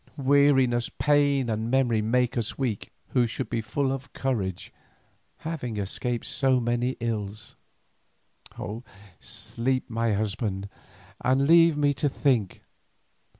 Weariness, pain and memory make us weak, who should be full of courage, having escaped so many ills. Sleep, my husband, and leave me to think.